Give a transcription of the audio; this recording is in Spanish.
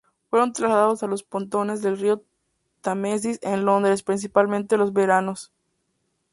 Fueron trasladados a los pontones del río Támesis en Londres, principalmente los veteranos.